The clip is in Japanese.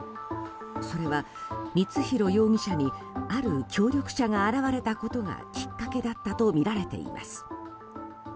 それは、光弘容疑者にある協力者が現れたことがきっかけだったとみられています。